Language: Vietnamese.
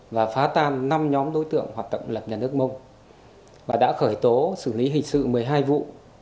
và phá tan năm nhóm đối tượng hoạt động lập nhà nước mông và đã khởi tố xử lý hình sự một mươi hai vụ